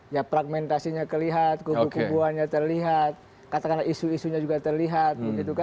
ya fragmentasinya terlihat kubu kubuannya terlihat katakanlah isu isunya juga terlihat